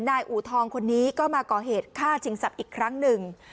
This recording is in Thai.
อูทองคนนี้ก็มาก่อเหตุฆ่าชิงทรัพย์อีกครั้งหนึ่ง